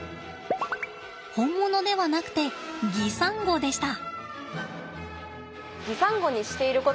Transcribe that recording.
本物ではなくて擬サンゴでした。